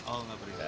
oh enggak perintah